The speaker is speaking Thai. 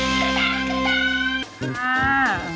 โดยเฉย